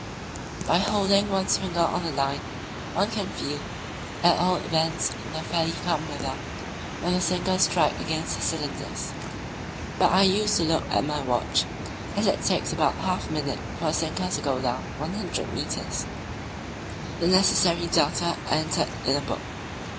By holding one's finger on the line one can feel, at all events in fairly calm weather, when the sinkers strike against the cylinders; but I used to look at my watch, as it takes about half a minute for the sinker to go down 100 metres. The necessary data are entered in a book.